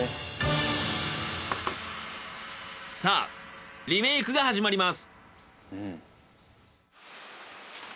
さあリメイクが始まります。